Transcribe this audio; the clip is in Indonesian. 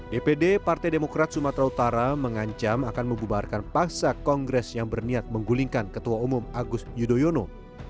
dpd partai demokrat sumatera utara mengancam akan membubarkan paksa kongres yang berniat menggulingkan ketua umum agus yudhoyono